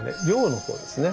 「謡」の方ですね